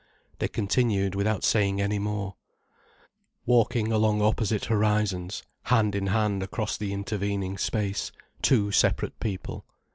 They continued without saying any more, walking along opposite horizons, hand in hand across the intervening space, two separate people.